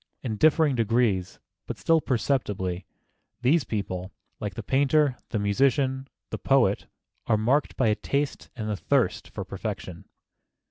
In differing degrees, but still perceptibly, these people, like the painter, the musician, the poet, are marked by a taste and a thirst for perfection.